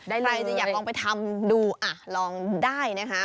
ใครจะอยากลองไปทำดูอ่ะลองได้นะคะ